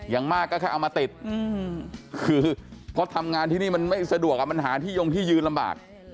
อย่างมากก็แค่เอามาติดคือเพราะทำงานที่นี่มันไม่สะดวกมันหาที่ยงที่ยืนลำบาก